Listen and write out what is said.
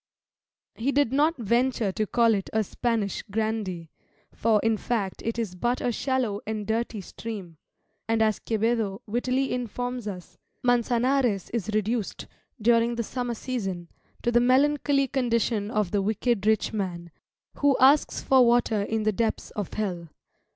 He did not venture to call it a Spanish Grandee, for, in fact, it is but a shallow and dirty stream; and as Quevedo wittily informs us, "Mançanares is reduced, during the summer season, to the melancholy condition of the wicked rich man, who asks for water in the depths of hell."